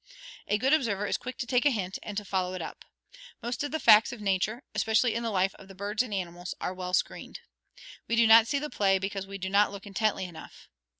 A good observer is quick to take a hint and to follow it up. Most of the facts of nature, especially in the life of the birds and animals, are well screened. We do not see the play because we do not look intently enough.